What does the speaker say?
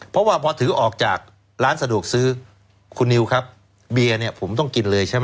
เพราะว่าพอถือออกจากร้านสะดวกซื้อคุณนิวครับเบียร์เนี่ยผมต้องกินเลยใช่ไหม